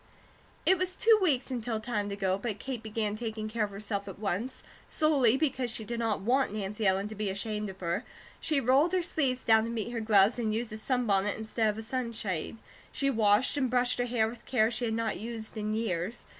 It was two weeks until time to go, but Kate began taking care of herself at once, solely because she did not want Nancy Ellen to be ashamed of her. She rolled her sleeves down to meet her gloves and used a sunbonnet instead of a sunshade. She washed and brushed her hair with care she had not used in years.